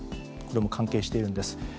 これも関係しているんです。